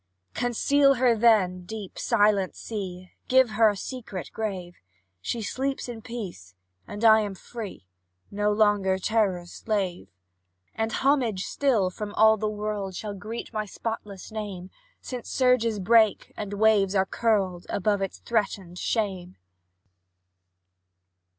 "Conceal her, then, deep, silent sea, Give her a secret grave! She sleeps in peace, and I am free, No longer terror's slave: And homage still, from all the world, Shall greet my spotless name, Since surges break and waves are curled Above its threatened shame."